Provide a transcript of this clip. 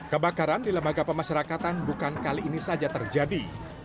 kebakaran di lembaga pemasyarakatan bukan kali ini saja terjadi